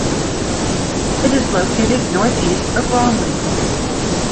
It is located north east of Bromley.